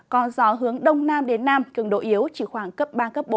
có gió hướng đông nam đến nam cường độ yếu chỉ khoảng cấp ba cấp bốn